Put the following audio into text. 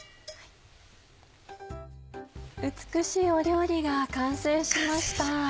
美しい料理が完成しました。